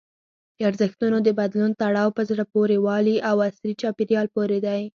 د ارزښتونو د بدلون تړاو په زړه پورې والي او عصري چاپېریال پورې دی.